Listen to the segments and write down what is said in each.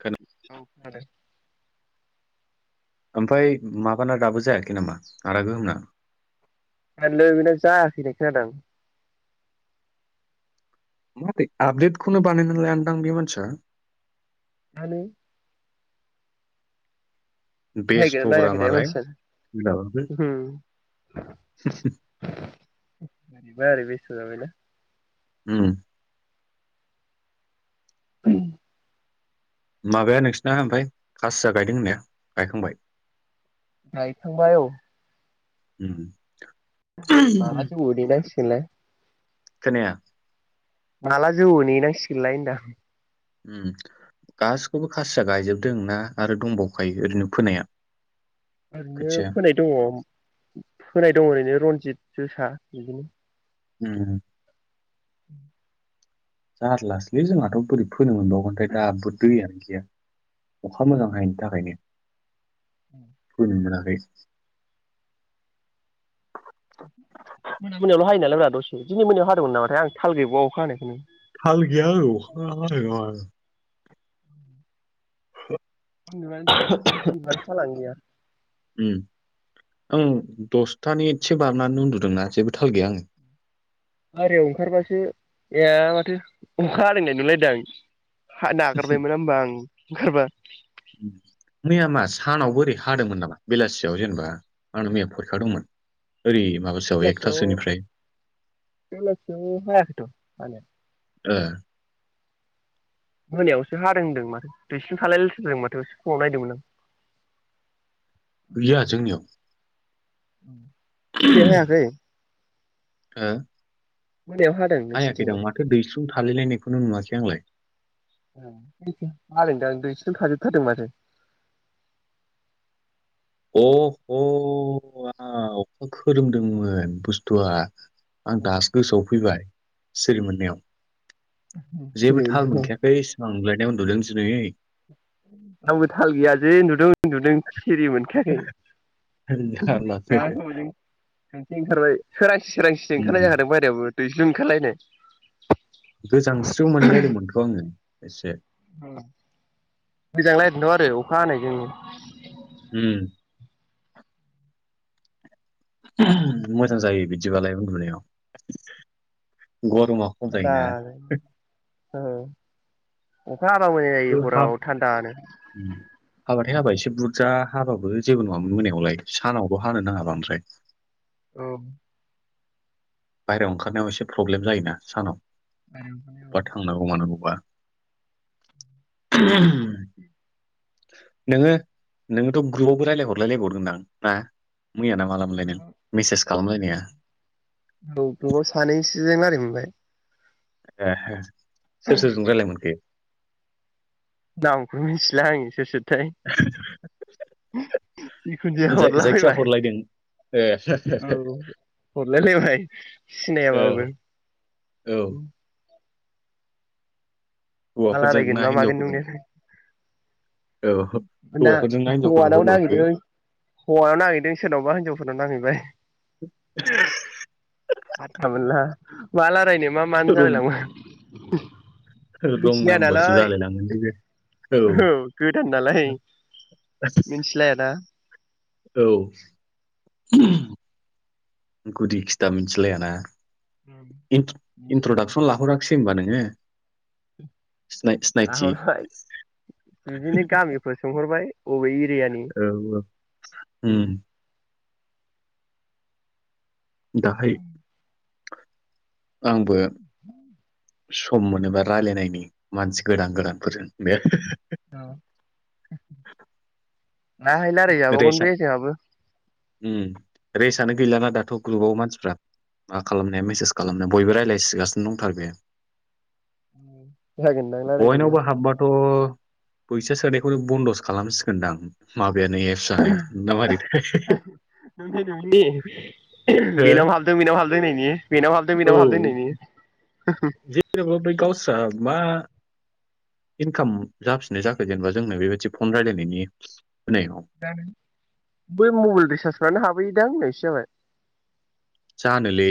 खोना औ खोनादों। ओमफाय माबाना दाबो जायाखै नामा आदा गोहोमना? जानोलै बेना जायाखै होननाय खोनादां। माबोरै आपदेटखौनो बानायनानै लायादां बे मानसिया। जानो। नायगोनना बेस्थ'ब्रा नायाखैथाय मालाय सोलाबाखै मानसियानो उम। ओरैबा ओरै बेस्थ' जाबायना। उम। [inaudible] माबाया नोंसिना आमफाय खासिया गायदों होननाया गायखांबाय? गायखांबाय औ। माला उम जौवो नेनांसिगोनलाय खोनाया। माला जौयो नेनांसिगोनलाय होनदां। उम गासिबखौबो खासिया गायजोबदों ना आरो दंबावखायो ओरैनो फोनाया? ओरैनो खोथिया फोनाय दङ फोनाय दङ ओरैनो रनजित जोसा बिदिनो। उम। उम। जारलासोलै जोंनाथ' बोरै फोनो मोनबावगोनथाय दाबो दैयानो गैया। अखा मोजां हायैनि थाखायनो फोनो मोनाखै। [inaudible] मोना मोनायावल' हायो नालायब्रा दसे दिनै मोनायाव हादोंमोन नामाथाय आं थाल गैबावा अखा हानायखौनो। थाल गैया आङो अखा हादोंना मादों। उन्दुनानै उन्दुनानै थालानो गैया उम। ओं दसथानि एदसे बारनानै उन्दुदोंना जेबो थाल गैया आङो। बाहेरायाव ओंखारबासो ए माथो अखा हादों नोंलाय लायदों आं। हा नागारबायमोन होमबा आं ओंखारबा। उम मैया मा सानावबो ओरै खा हादोंमोन नामा बेलासियाव जेनेबा आंना मैया फरिखा दंमोन ओरै माबा बेलासियाव बेलासियाव हायाखैथ' हानाया। ओ मोनायावसो हादों होनदों माथो दैस्लुं थालाय लायथारदों माथो फुङाव नायदोंमोन आं। गैया जोंनियाव। [unintelligible] हायाखै। हो मोनायाव हा हायाखैदां माथो दैस्लुं थालायलायनायखौनो नुवाखै आंलाय। ओ जोंनिथिं हादोंदां दैस्लुं थाजोबथारदों माथो। अ ह हराव अखा खोरोमदोंमोन बुस्थुआ। आं दासो गोसोआव फैबाय सिरि मोननायाव। जेबो थाल मोनखायाखै सिमां नुलायनाय उन्दुदों दिनै। आंबो थाल गैया जै उन्दुदों उन्दुदों सिरि मोनखायाखै। जा जारलासो गोबावजों खानस्रि ओंखारबाय सोरांसि सोरांसिसो उम ओंखारनाय जाखादों बाहेरायावबो दैस्लुं ओंखारलायनाय। गोजांस्रिउ मोनलाय लायदोंमोनथ आङो एसे। ओ गोजांलायदोंथ' आरो अखा हानायजोंनो। उम मोजां जायो बिदिबालाय उन्दुनायाव गरमाव। दा ओ अखा हाबा मोजां खिन्थु जायो हाब हराव थान्दानो। हाबाथाय हाबा एसे बुरजा हाबाबो जेबो नङामोन मोनायावलाय। सानावबो हानो नाङा बांद्राय। औ। बाहेरायाव ओंखारनायाव एसे प्रब्लेम जायोना सानाव आरो औ बा थांनां बबा थांनां गौबा। नोङो नोङोथ' ग्रुपावबो रायलाय हरलायबावदोंदां ना मैया नाम। मालामोनलाय नों मेसेज खालामलायनाया। औ गोबाव सानैसोजों रायलाय मोनबाय। ए हे सोर सोरजों रायलायनो मोनखो। नामखौबो मिथिला आङो सोर सोर थाय जिखुन जाया जाय जायखिया हरलाबायबाय। हरलायदों ए। औ हरलायलायबाय औ सिनायाबाबो। औ। मा हौवाफोरजों रायलायगोन ना मा मागोन हिनजावफोरजों मोनो। औ दा हौवाफोरजों ना हिनजावफोरजों हौवानाव नांहैदों रायलायहरखो हौवानाव नांहैदों सोरनावबा हिनजावफोरनाव नांहैबाय। [unintelligible] फाथथा मोनला मा रायलायनो मा मानो जालाय रं लाङो। रं मिथिलाया नाम्बारसो नालाय जालाय लांगोनलै बे। औ गोदान नालाय मिथिलायाना। औ गुदि खिथा मिथिलायाना। इन्ट्र-इन्ट्रडाक्सन लाहराखिसै होनबा नोङो। सिनायथि। लाहरबाय फोर सोंहरबाय अबे एरियानि। औ उम दाहाय आंबो। सम मोनोबा रायलायनायनि मानसि गोदान गोदानफोरजों बे। औ दाहाय रायलाय जाबावगोन रेसा ने जोंहाबो। उम रेसानो गैलाना जोंहाबो दाथ' ग्रुपाव मानसिफ्रा। मा खालामनाया मेसेज खालामना बयबो रायज्लायसिगासिनो दंथारो बे। जागोनदां रायलायदोंदां बयनावबो हाबबाथ'। फैसा सोनायखौनो बन्द'सो खालामसिगोनदां माबायानो एपसानो मारैथाय। नोंनि नोंनि बेनाव हो हाबदों बेनाव हाबदों होननायनि। बेनाव हाबदों बेनाव हाबदों औ होननायनि। जेनेबा बै गावस्रा मा। इनकाम जाफिननाय जाखो जेनेबा जोंनो बेबायदि फन रायलायनायनि होनायाव। दा बै मबाइल रिसार्जफ्रानो हाबहैयोदां होननायसो जाबाय। जानोलै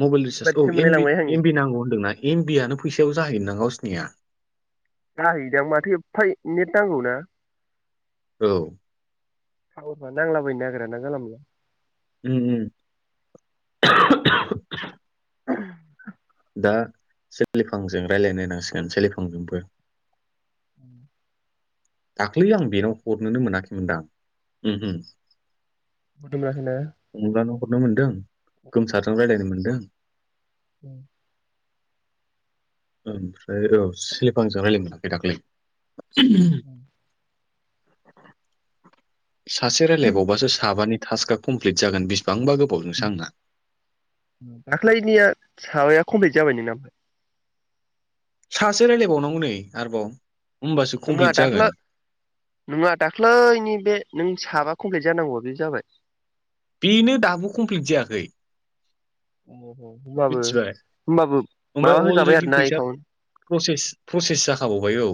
मबाइल रिसार्ज औम एबारसो मोनलायलांबाय आङो एम बि नांगौ होन्दोंना एम बि आनो फैसायाव जाहैयो ना गावसिनिया। जाहैदां माथो एफा नेट नांगौना‌? औ [unintelligible] नांलाबायनो नागिराना जाला माला उम उम [inaudible] दा सोलिफांजों रायज्लायनोनांसिगोन सोलिफांजोंबो उ [inaudible] दाख्लै आं बेनाव हरनोनो मोनाखैमोनदां उम उम बुथुमखनो [unintelligible] अम्लानो हरनो मोनदों गोमसारजों रायज्लायनो मोन्दों? उ ओमफ्राय औ सेफांजों रायज्लाय मोनाखै दाख्लै। उम [inaudible] सासे रायजलायबावबासो साबानि टास्कआ खमफिलद जागोन बेसिबांबा गोबाव जोंसो‌ आंना। दाख्लैनिया साबाया कमप्लिट जाबाय नोंना? सासे रायजलायबावनांगौ नै आरोबाव। होमबासो नोंङा कमप्लिट जागोन दाख्लै -नोंा दाख्लैनि बे नों साबा कमप्लिट जानांगौ बे जाबाय? बेनो दाबो कमप्लिट जायाखै। होनोमबाबो मिथिबाय होमबाबो ओमफ्राय -माबा होजाबाय अलरेडि आरोना फैसा एकाउन्ट? प्रसेस -प्रसेस जाखाबावबाय औ।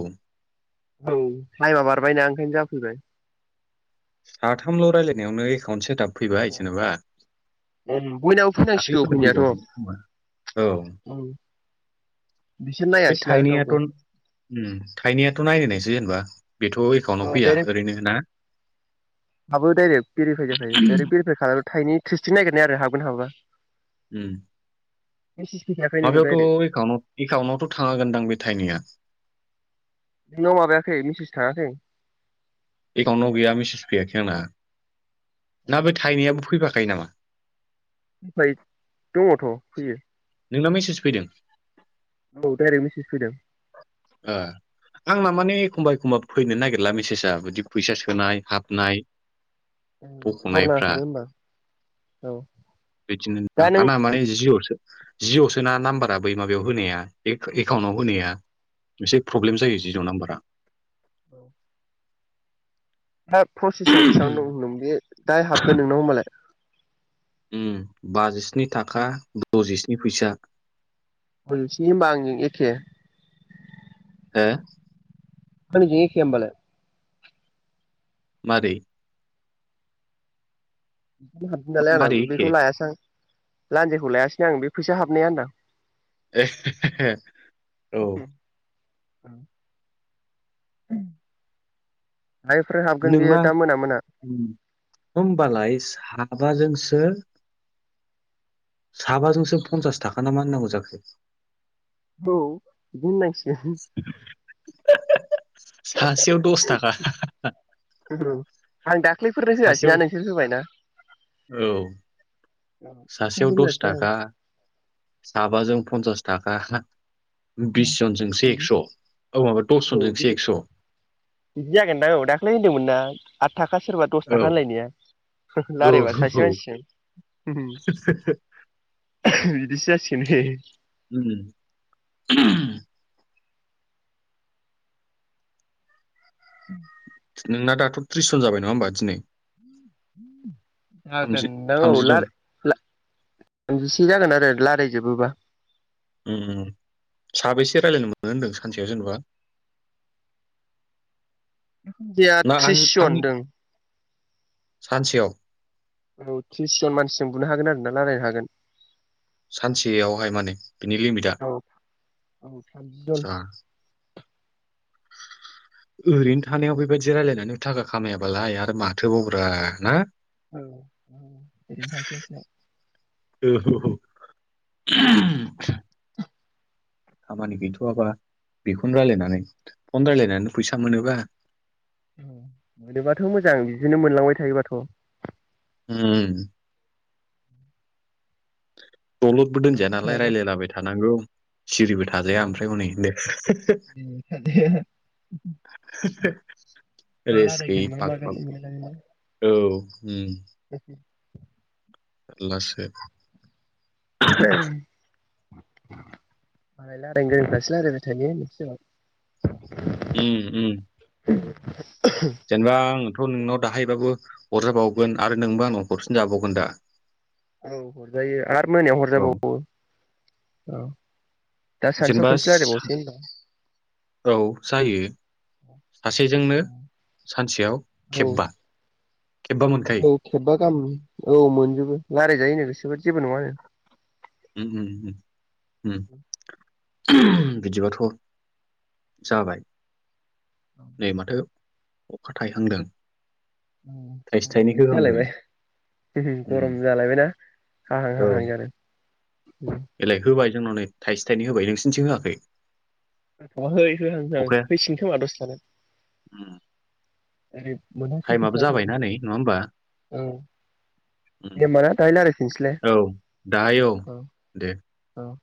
औ टाइमा बारबायना ओंखायनो जाफैबाय। साथामल' रायजलायनायावनो एकाउन्ट सेटाब फैबाय जेनेबा बयनाबो फैनांसिगौ दाख्लैफोरनो फैनायाथ'। फैबावदोंमोन खोमा औ बिसोर बे नायासैना थाइनैयाथ' रावबो। थाइनैयाथ' नायलनायसै जेनेबा बेथ' एकाउन्टाव फैया डाइरेक्ट ओरैनो ना? हाबो डाइरेक्ट भेरिफाइ जाखायो डाइरेक्ट भेरिफाइ खालामो थाइनै थ्रिस्टिं नागिरनाय आरो हाबगोन हाबा। उ [inaudible] बे [unintelligible] माबायावथ' एकट एकाउन्टआवथ' थाङागोनदां बे थाइनैया। नोंनाव माबायाखै मेसेस थाङाखै? एकाउन्टाव गैया मेसेज फैयाखै आंना ना बे थाइनैयाबो फैफाखायो नामा? फ्राय दङथ' फैयो। नोंना मेसेज फैदों? औ दडाइरेक्ट मेसेज फैदों। आंना माने एखमबा एखमबा फैनो नागिरला मेसेजआ बिदि फैसा सोनाय हाबनाय खबर बख'नायफ्रा नाङाखैबो होमबा औ बिदिनो दां दा नों आर ना माने जिरसो जिअसो ना नाम्बारा बै माबायाव होनाया एकाउन्टाव होनाया? एसे प्रब्लेम जायो जिअ' नाम्बारा। औ [inaudible] दा प्रसेसआव बेसेबां दं नोंनाव बे दाहाय हाबगोन नोंनाव होनबालाय। बाजिस्नि थाखा द'जिस्नि फैसा। बसे हब आंजों एखे। [unintelligible] हा आंनिजों एखे होनबालाय। मारै नो हाबसै नालाय मारै आं एखे बेखौ लायासै आं लान्जेखौ लायासै आं बे फैसा हाबनाया होनदां [unintelligible] औ। औ। हायफोर हाबगोन बियो दा मोना मोना। ओम होमबालाय साबाजोंसो। साबाजोंसो पनसास थाखा ना मा होननांगौ जाखो। औ बुंनायसै। सासेयाव दस थाखा। [unintelligible] आं दाख्लैफोरनो सासेयाव होआसैना नोंसोर होबायना। औ। सासेयाव दाख्लैफोर दस होआसै आं थाखा साबाजों पन्सास थाखा। बिस जनजोंसो बिदि एकस' औ माबा औ दसजनजोंसो बिदि एक्स'। बिदि जागोनदां औ दाखा्लै होनदोंमोन ना आद थाखा सोरबा। दस औ थाखा होनलायनाया रालायबा सासे औ मानसिजों। बिदिसो जासिगोन बे। उम [unintelligible] उ नोंना दाथ' त्रिस जन जाबाय नङा होनबा दिनै थामजि थामजि जन [unintelligible] थामजिसे जागोन आरो रायलायजोबोबा। उम उम साबेसे रायजलायनो मोनो होन्दों सानसेयाव जेनेबा। जोंनिया थ्रिस जन आनि होनदों सानसेयाव। औ त्रिस जन मानसिजों बुनो हागोन आरो ना रायलायनो हागोन। सानसेयावहाय माने बिनि लिमिट आ औ औ थामजि जन आसा। [unintelligible] ओरैनो थानायाव बेबायदि रायलायनानै थाखा खामायाबालाय आरो माथोबावब्रा ना। औ ओरैनो थास्लाय स्लाय। औ थास्लायस्लाय [inaudible] खामानि गैथ'वाबा बेखौनो रायजलायनानै फन रायजलायनानै फैसा मोनोबा। मोनोबाथ' मोजां बिदिनो मोनलांबाय थायोबाथ'। उमम। दलदबो दोनजाया मोनलांबाय नालाय थायाबासो रायजलायलाबाय थानांगौ सिरिबो थ। थाजाया ओमफ्राय हनै दे दिनै सासेया [inaudible] मा रेस्ट गोयै रायलायगोन मा बाब मागोन बाब मोनलायलाङोना औ ओम [inaudible] लासो मालाय रायलायनो गोरोंफ्रासो रायजलायबाय थायो नोंसोराव। ओम ओम। [inaudible] जेनेबा आंथ' नोंनाव दाहायबाबो। हरजाबावगोन आरो नोंबो आंनाव हरफिनजाबावगोन दा। औ हरजायो आरो मोनायाव औ हरजाबावो औ। दा सानसुआव जेनेबा खनसे रायलायबावसै होनबा औ जायो। सासेजोंनो सानसेयाव औ खेबबा खेबबा मोनखायो। औ खेबबा गाहाम औ मोनजोबो रायजायजायो गोसोब जेबो नङानो। ओम ओम ओम ओम बिदिबाथ' जाबाय नै माथो अखा थाइहांदों। थाइसे जागोन बायदि थाइनैखो होहांदो। जालायबाय [unintelligible] गरम जालायबायना हाहां हाहां जादों। एलाय होबाय जोंनाव नै थाइसे थाइनै होबाय। नोंसि निथिं होआखै? गवाखै होहां होहां अखाया होसिगोन खोमा दसे थाना। उम ओरै [unintelligible] टाइमाबो जाबायना नै नङा होमबा औ उम दे होमबा ना दाहाय लाराय फिनसोलाय औ दाहाय औ ओं दे ओं